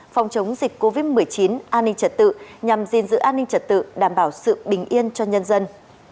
phòng chống dịch covid một mươi chín an ninh trật tự nhằm gìn giữ an ninh trật tự đảm bảo sự bình yên cho nhân dân